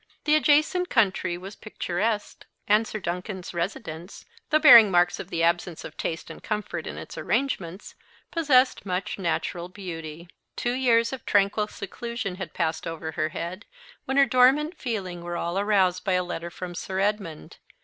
The adjacent country was picturesque; and Sir Duncan's residence, though bearing marks of the absence of taste and comfort in its arrangements, possessed much natural beauty. Two years of tranquil seclusion had passed over her head when her dormant feeling were all aroused by a letter from Sir Edmund.